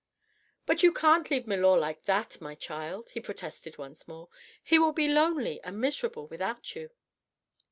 "But you can't leave milor like that, my child," he protested once more. "He will be lonely and miserable without you."